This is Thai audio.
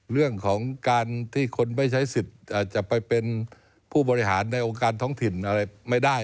เรื่องของการที่คนไม่ใช้สิทธิ์จะไปเป็นผู้บริหารในองค์การท้องถิ่นอะไรไม่ได้